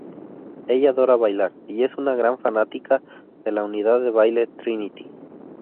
Ella adora bailar y es una gran fanática de la unidad de baile "Trinity".